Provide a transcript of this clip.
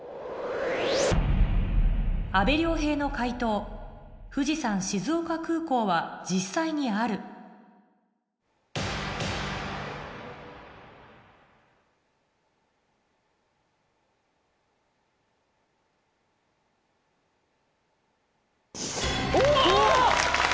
阿部亮平の解答「富士山静岡空港」は実際にあるおぉ！